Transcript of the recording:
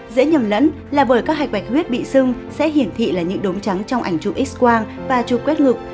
dễ nhầm lẫn là bởi các hạch bạch huyết bị xưng sẽ hiển thị là những đống trắng trong ảnh chụp x qua và chụp quét ngực